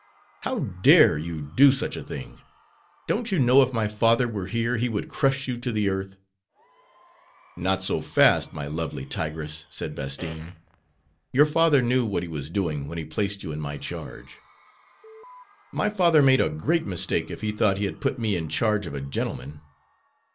"How dare you do such a thing! Don't you know if my father were here he would crush you to the earth?" "Not so fast, my lovely tigress," said Bastine, "your father knew what he was doing when he placed you in my charge." "My father made a great mistake, if he thought he had put me in charge of a gentleman."